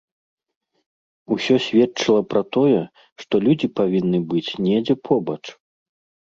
Усё сведчыла пра тое, што людзі павінны быць недзе побач.